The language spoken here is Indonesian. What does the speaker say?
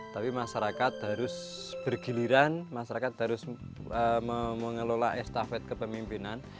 tapi masyarakat harus bergiliran masyarakat harus mengelola estafet kepemimpinan